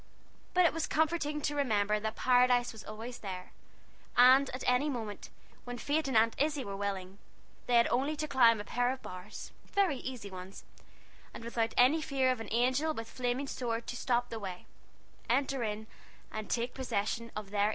But it was comforting to remember that Paradise was always there; and that at any moment when Kate and Aunt Izzie were willing, they had only to climb a pair of bars very easy ones, and without any fear of an angel with flaming sword to stop the way enter in, and take possession of their Eden.